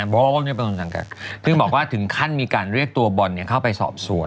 บอกว่าถึงขั้นมีการเรียกตัวบอนเข้าไปสอบส่วน